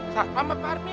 sampam pak armin